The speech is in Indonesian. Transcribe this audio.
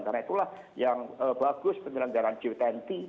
karena itulah yang bagus penyelenggaraan jtnt